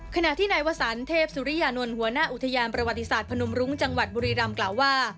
ขณะที่นายวสันเทพสุริยานนท์หัวหน้าอุทยานประวัติศาสตร์พนมรุ้งจังหวัดบุรีรำกล่าวว่า